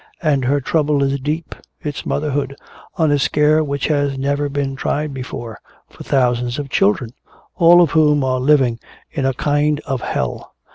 And her trouble is deep, it's motherhood on a scale which has never been tried before for thousands of children, all of whom are living in a kind of hell.